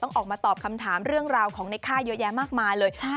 ออกมาตอบคำถามเรื่องราวของในค่ายเยอะแยะมากมายเลย